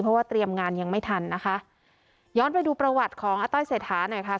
เพราะว่าเตรียมงานยังไม่ทันนะคะย้อนไปดูประวัติของอาต้อยเศรษฐาหน่อยค่ะ